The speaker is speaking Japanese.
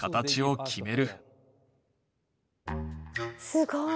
すごい。